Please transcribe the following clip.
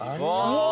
うわ！